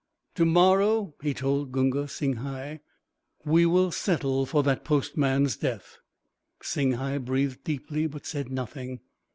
"To morrow," he told Gunga Singhai, "we will settle for that postman's death." Singhai breathed deeply, but said nothing.